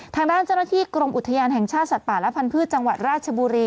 ทางด้านเจ้าหน้าที่กรมอุทยานแห่งชาติสัตว์ป่าและพันธุ์จังหวัดราชบุรี